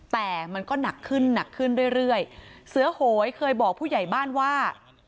แต่มันก็หนักขึ้นหนักขึ้นเรื่อยเรื่อยเสือโหยเคยบอกผู้ใหญ่บ้านว่า